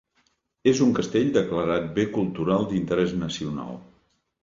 És un castell declarat bé cultural d'interès nacional.